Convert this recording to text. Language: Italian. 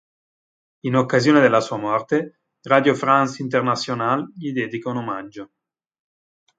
In occasione della sua morte, Radio France Internationale gli dedica un omaggio.